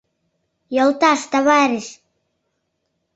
Йолташ, товарищ!